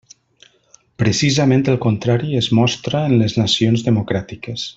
Precisament el contrari es mostra en les nacions democràtiques.